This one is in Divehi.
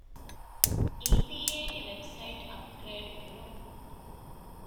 އީ.ޕީ.އޭގެ ވެބްސައިޓް އަޕްގްރޭޑް ކުރުން